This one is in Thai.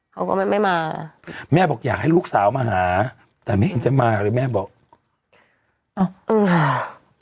เขาก็ไม่ไม่มาแม่บอกอยากให้ลูกสาวมาหาแต่ไม่เห็นจะมาเลยแม่บอกอ้าวอืมค่ะ